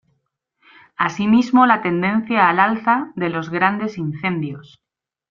Asimismo la tendencia al alza de los grandes incendios.